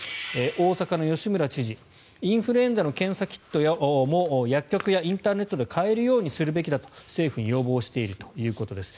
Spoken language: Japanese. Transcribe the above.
大阪の吉村知事インフルエンザの検査キットも薬局やインターネットで買えるようにするべきだと政府に要望しているということです。